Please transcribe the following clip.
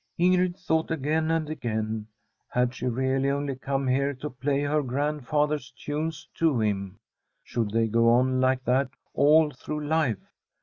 Ingrid thought again and again, had she really only come here to play her grandfather's tunes to him? Should they go on like that all through life